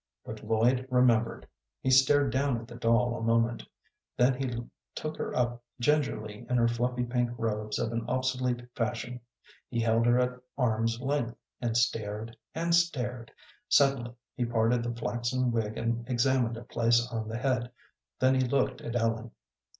But Lloyd remembered. He stared down at the doll a moment. Then he took her up gingerly in her fluffy pink robes of an obsolete fashion. He held her at arm's length, and stared and stared. Suddenly he parted the flaxen wig and examined a place on the head. Then he looked at Ellen.